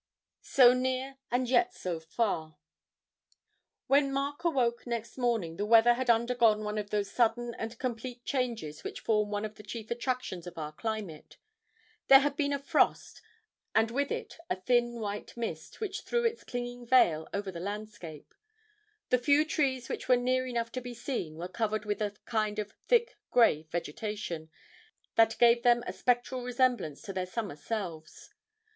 SO NEAR AND YET SO FAR. When Mark awoke next morning the weather had undergone one of those sudden and complete changes which form one of the chief attractions of our climate; there had been a frost, and with it a thin white mist, which threw its clinging veil over the landscape; the few trees which were near enough to be seen were covered with a kind of thick grey vegetation, that gave them a spectral resemblance to their summer selves.